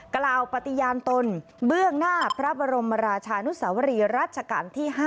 กล่าวปฏิญาณตนเบื้องหน้าพระบรมราชานุสวรีรัชกาลที่๕